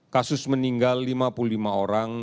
kasus meninggal lima puluh lima orang